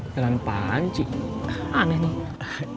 jalan panci aneh nih